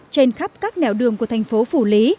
trên khắp các nẻo đường của thành phố phủ lý